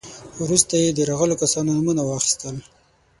وروسته يې د راغلو کسانو نومونه واخيستل.